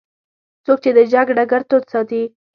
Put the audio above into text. څوک چې د جنګ ډګر تود ساتي.